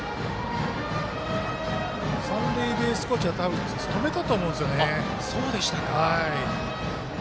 三塁ベースコーチは、多分止めたと思うんですよね。